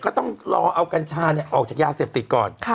ก็ต้องรอเอากัญชาออกจากยาเสพติดก่อน